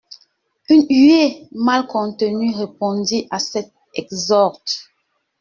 Une huée mal contenue répondit à cet exorde.